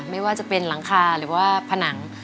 ไม่ว่าจะเป็นหลังคาหรือว่าผนัง